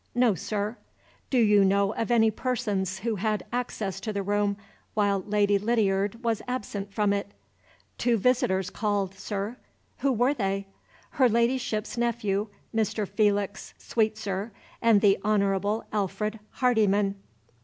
"No, sir." "Do you know of any persons who had access to the room while Lady Lydiard was absent from it?" "Two visitors called, sir." "Who were they?" "Her Ladyship's nephew, Mr. Felix Sweetsir, and the Honorable Alfred Hardyman."